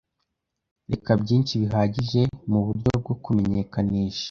Reka byinshi bihagije muburyo bwo kumenyekanisha